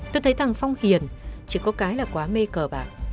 tôi thấy rằng phong hiền chỉ có cái là quá mê cờ bạc